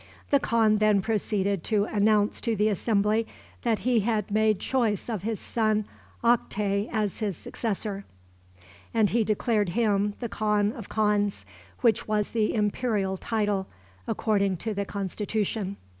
The khan then proceeded to announce to the assembly that he had made choice of his son Oktay as his successor, and he declared him the khan of khans, which was the imperial title, according to the constitution.